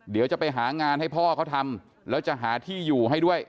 เดี๋ยวจะไปหางานให้พ่อเขาทำแล้วจะหาที่อยู่ให้ด้วย